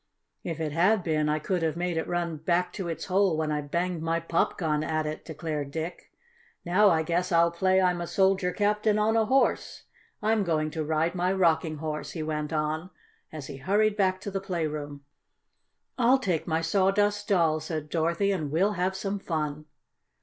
"If it had been I could have made it run back to its hole when I banged my pop gun at it!" declared Dick. "Now I guess I'll play I'm a soldier captain on a horse. I'm going to ride my Rocking Horse," he went on, as he hurried back to the playroom. "I'll take my Sawdust Doll," said Dorothy, "and we'll have some fun."